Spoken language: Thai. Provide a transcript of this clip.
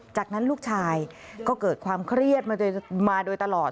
จากนั้นลูกชายก็เกิดความเครียดมาโดยตลอด